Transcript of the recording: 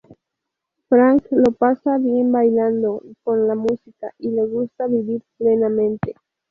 Frank lo pasa bien bailando y con la música y le gusta vivir plenamente.